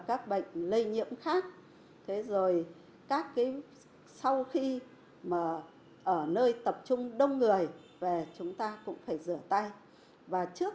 các bạn hãy đăng ký kênh để ủng hộ kênh của chúng mình nhé